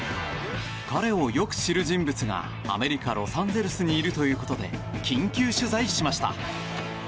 彼をよく知る人物がアメリカ・ロサンゼルスにいるということで緊急取材しました。